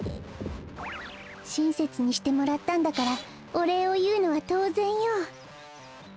しんせつにしてもらったんだからおれいをいうのはとうぜんよ。